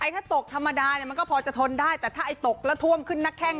ถ้าตกธรรมดามันก็พอจะทนได้แต่ถ้าไอ้ตกแล้วท่วมขึ้นนักแข้ง